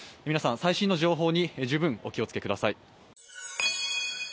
皆さん、最新の情報に十分お気をつけください。